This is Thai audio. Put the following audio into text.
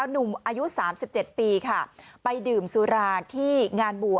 หนุ่มอายุสามสิบเจ็ดปีค่ะไปดื่มสุราที่งานบัว